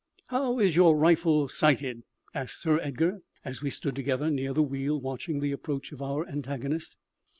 "How is your rifle sighted?" asked Sir Edgar, as we stood together near the wheel, watching the approach of our antagonist.